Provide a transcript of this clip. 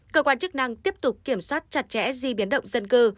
cơ quan chức năng tiếp tục kiểm soát chặt chẽ di biến động dân cư